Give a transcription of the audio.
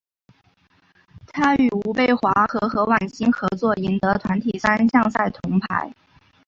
他与吴蓓华和何苑欣合作赢得团体三项赛铜牌。